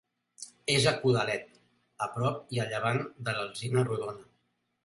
És a Codalet, a prop i a llevant de l'Alzina Rodona.